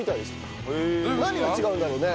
何が違うんだろうね？